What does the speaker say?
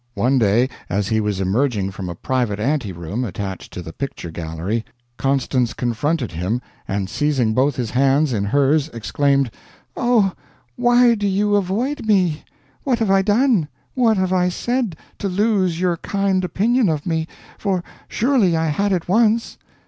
One day as he was emerging from a private anteroom attached to the picture gallery, Constance confronted him, and seizing both his hands, in hers, exclaimed: "Oh, why do you avoid me? What have I done what have I said, to lose your kind opinion of me for surely I had it once?